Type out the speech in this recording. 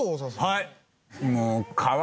はい。